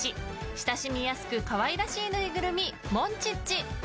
親しみやすく可愛らしいぬいぐるみ、モンチッチ。